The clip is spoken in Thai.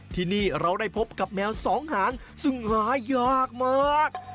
ที่นี่เราได้พบกับแมวสองหางซึ่งหายากมาก